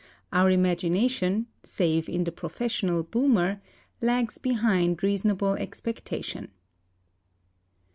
Our imagination — save in the professional boomer — lags behind reasonable expectation.